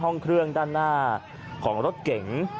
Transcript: ห้องเครื่องด้านหน้าของรถเก๋ง